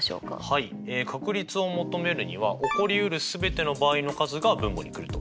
はい確率を求めるには起こりうる全ての場合の数が分母に来ると。